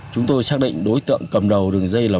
chúng tôi xác định đối tượng cầm đầu đường dây là